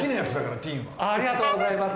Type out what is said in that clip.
ありがとうございます。